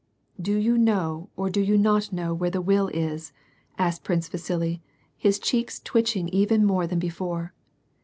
•" Do you know or do you not know where that will is ?" asked Prince Vasili, his cheeks twitching even more than before.